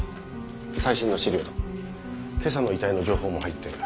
最新の資料だ今朝の遺体の情報も入ってる。